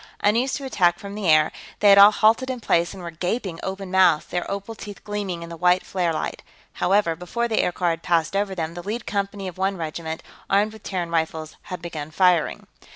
Unused to attack from the air, they had all halted in place and were gaping open mouthed, their opal teeth gleaming in the white flare light. However, before the aircar had passed over them, the lead company of one regiment, armed with Terran rifles, had begun firing.